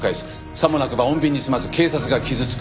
さもなくば穏便に済まず警察が傷つく。